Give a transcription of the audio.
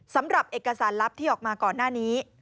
สำหรับเอกสารลับที่ออกมาก่อนหน้านี้